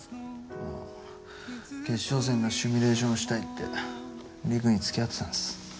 ああ決勝戦のシミュレーションしたいってりくに付き合ってたんです。